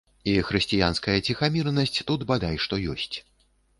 І хрысціянская ціхамірнасць тут бадай што ёсць.